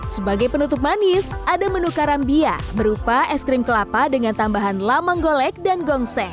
sebagai penutup manis ada menu karambia berupa es krim kelapa dengan tambahan lamang golek dan gongseng